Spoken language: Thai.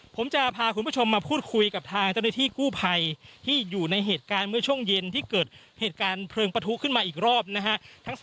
ผมจะพาคุณผู้ชมมาพูดคุยกับทางเจ้าหน้าที่กู้ภัยที่อยู่ในเหตุการณ์เมื่อช่วงเย็นที่เกิดเหตุการณ์เพลิงประทุขึ้นมาอีกรอบนะฮะ